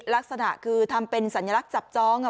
ลักษณะคือทำเป็นสัญลักษณ์จับจ้อง